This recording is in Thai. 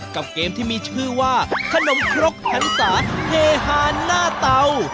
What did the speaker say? กับเกมที่มีชื่อว่าขนมครกหันศาเฮฮานหน้าเตา